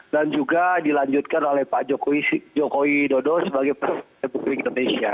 dan juga dilanjutkan oleh pak jokowi dodo sebagai presiden republik indonesia